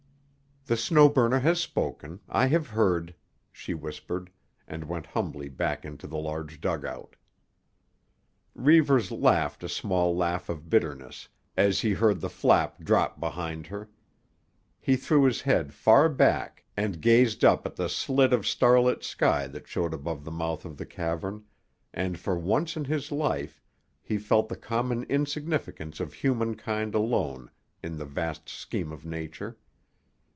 "The Snow Burner has spoken; I have heard," she whispered, and went humbly back into the large dugout. Reivers laughed a small laugh of bitterness as he heard the flap drop behind her. He threw his head far back and gazed up at the slit of starlit sky that showed above the mouth of the cavern, and for once in his life he felt the common insignificance of human kind alone in the vast scheme of Nature.